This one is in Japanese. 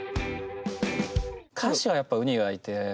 歌詞はやっぱウニがいて。